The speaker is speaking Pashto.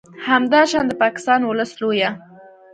همداشان د پاکستان ولس لویه ب